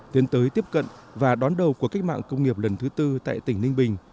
tiến tới tiếp cận và đón đầu của cách mạng công nghiệp lần thứ tư tại tỉnh ninh bình